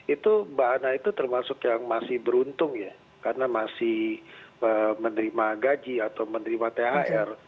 itu mbak anna itu termasuk yang masih beruntung ya karena masih menerima gaji atau menerima thr